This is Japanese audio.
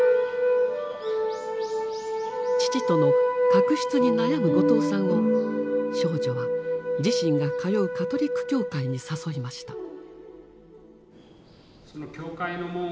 父との確執に悩む後藤さんを少女は自身が通うカトリック教会に誘いました。